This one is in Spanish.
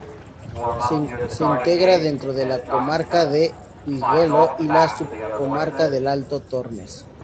Se integra dentro de la comarca de Guijuelo y la subcomarca del Alto Tormes.